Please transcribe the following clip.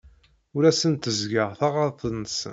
Ur asen-d-tteẓẓgeɣ taɣaḍt-nsen.